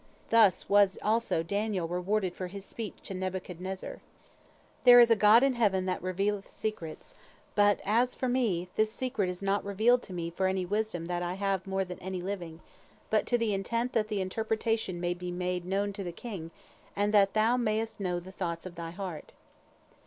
Thus was also Daniel rewarded for his speech to Nebuchadnezzar: "There is a God in heaven that revealeth secrets, but as for me, this secret is not revealed to me for any wisdom that I have more than any living, but to the intent that the interpretation may be made known to the king, and that thou mayest know the thoughts of thy heart."